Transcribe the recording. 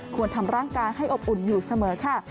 ควรทำร่างกายให้อบอุ่นอยู่เสมอค่ะ